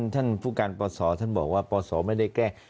ท่านผู้การปศท่านบอกว่าปศไม่ได้แก้